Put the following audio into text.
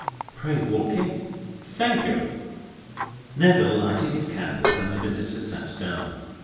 "Pray walk in." "Thank you." Neville lighted his candles, and the visitor sat down.